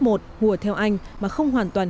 một hùa theo anh mà không hoàn toàn